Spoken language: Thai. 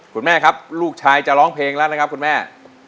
คุณแม่ครับลูกชายจะร้องเพลงแล้วนะครับคุณแม่